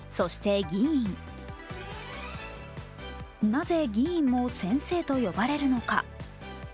なぜ、議員も先生と呼ばれるのか。